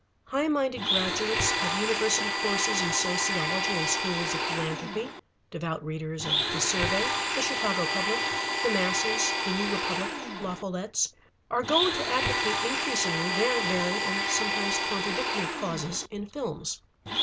High minded graduates of university courses in sociology and schools of philanthropy, devout readers of The Survey, The Chicago Public, The Masses, The New Republic, La Follette's, are going to advocate increasingly, their varied and sometimes contradictory causes, in films.